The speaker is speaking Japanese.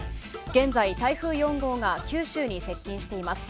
現在、台風４号が九州に接近しています。